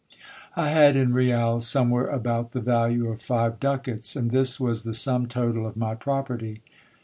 I had, in rials, somewhere about the value of five ducats, and this was the sum total of my property.